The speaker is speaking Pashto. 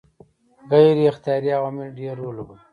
غیر اختیاري عوامل ډېر رول لوبوي.